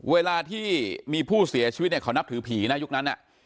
เวลาที่มีผู้เสียชีวิตเนี่ยเขานับถือผีนะยุคนั้น